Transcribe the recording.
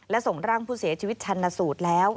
และส่งร่างผู้เสียชีวิตชันสูตรแล้ว